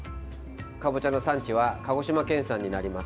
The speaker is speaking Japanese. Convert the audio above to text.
かぼちゃの産地は鹿児島県産になります。